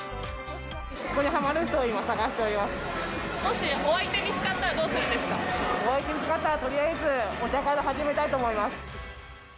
ここにはまる人を探しておりもしお相手見つかったら、お相手見つかったら、とりあえず、お茶から始めたいと思います。